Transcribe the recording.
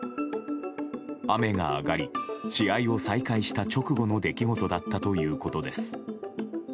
雨が上がり試合を再開した直後の出来事だったということです。